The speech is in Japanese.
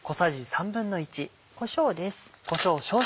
こしょうです。